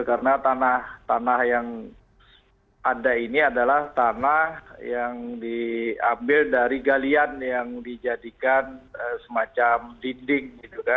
karena tanah yang ada ini adalah tanah yang diambil dari galian yang dijadikan semacam dinding